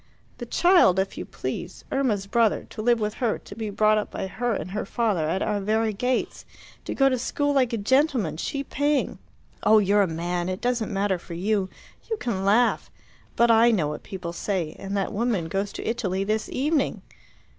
The child, if you please Irma's brother to live with her, to be brought up by her and her father at our very gates, to go to school like a gentleman, she paying. Oh, you're a man! It doesn't matter for you. You can laugh. But I know what people say; and that woman goes to Italy this evening."